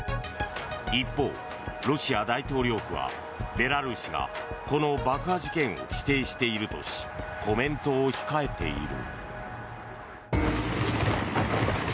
一方、ロシア大統領府はベラルーシがこの爆破事件を否定しているとしコメントを控えている。